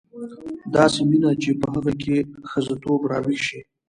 داسې مینه چې په هغه کې ښځتوب راویښ شي.